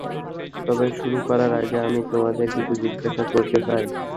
তবে শুরু করার আগে আমি তোমাদের কিছু জিজ্ঞাসা করতে চাই।